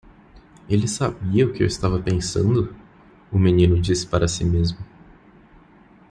"Ele sabia o que eu estava pensando?" o menino disse para si mesmo.